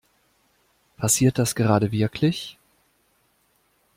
Passiert das gerade wirklich?